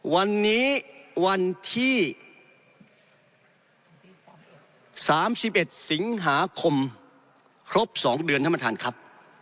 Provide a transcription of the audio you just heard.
วันนี้วันที่สามสิบเอ็ดสิงหาคมครบสองเดือนท่านประทานครับ